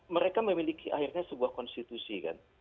mereka memiliki akhirnya sebuah konstitusi kan